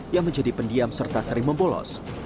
yang menjadi pendiam serta sering membolos